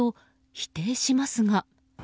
否定しますが。